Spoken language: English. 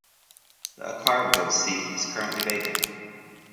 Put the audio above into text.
The Akarigbo seat is currently vacant.